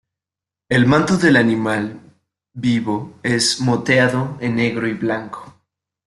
El manto del animal vivo es moteado en negro y blanco.